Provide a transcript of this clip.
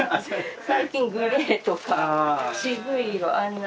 最近グレーとか渋い色あんな。